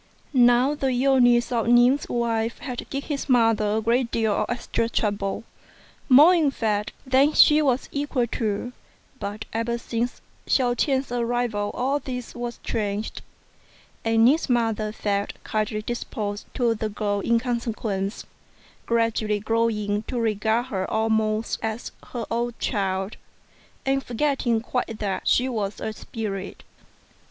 Now the illness of Ning's wife had given his mother a great deal of extra trouble more, in fact, than she was equal to ; but ever since Hsiao ch'ien's arrival all this was changed, and Ning's mother felt kindly disposed to the girl in consequence, gradually growing to regard her almost as her own child, and forgetting quite that she was a spirit.